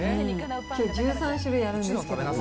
きょう１３種類あるんですけど。